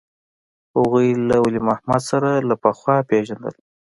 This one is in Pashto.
هغوى له ولي محمد سره له پخوا پېژندل.